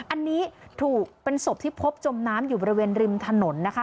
อันนี้ถูกเป็นศพที่พบจมน้ำอยู่บริเวณริมถนนนะคะ